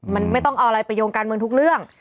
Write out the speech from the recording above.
มันไม่ต้องเอาอะไรไปโยงการเมืองทุกเรื่อง